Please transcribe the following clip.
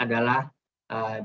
adalah penyebab penularan